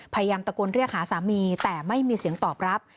พยายามตะโกนเรียกหาสามีแต่ไม่มีเสียงตอบรับ